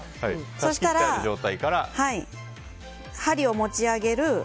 そうしたら、針を持ち上げる。